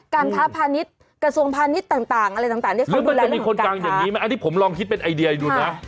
การทราบพาณิชย์กระทรวงพาณิชย์ต่างอะไรต่างที่ความดูแลเรื่องการค้าหรือมันจะมีคนกลางอย่างนี้มั้ยอันนี้ผมลองคิดเป็นไอเดียดูนะ